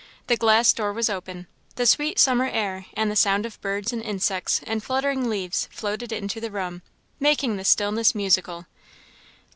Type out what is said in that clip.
The glass door was open; the sweet summer air and the sound of birds and insects and fluttering leaves floated into the room, making the stillness musical.